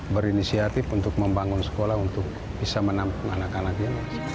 berinisiatif untuk membangun sekolah untuk bisa menampung anak anaknya